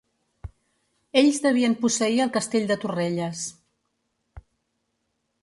Ells devien posseir el Castell de Torrelles.